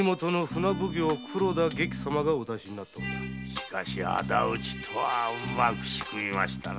しかし仇討ちとはうまく仕組みましたな。